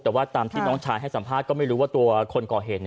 แต่ว่าตามที่น้องชายให้สัมภาษณ์ก็ไม่รู้ว่าตัวคนก่อเหตุ